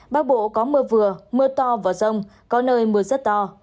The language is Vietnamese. bắc bộ có mưa vừa mưa to và rông có nơi mưa rất to